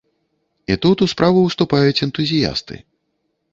І тут у справу ўступаюць энтузіясты.